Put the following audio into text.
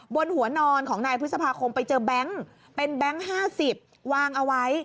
บนหัวนอนของนายพฤษภาคมไปเจอแบงค์เป็นแบงค์๕๐วางเอาไว้